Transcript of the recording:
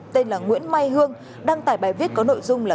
tên là nguyễn mai hương đăng tải bài viết có nội dung là